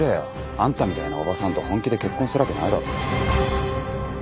あんたみたいなおばさんと本気で結婚するわけないだろ。